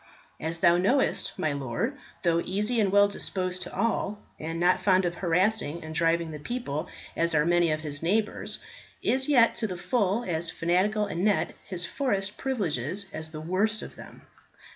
As thou knowest, my lord though easy and well disposed to all, and not fond of harassing and driving the people as are many of his neighbours, is yet to the full as fanatical anent his forest privileges as the worst of them.